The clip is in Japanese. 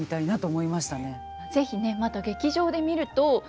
是非ねまた劇場で見ると。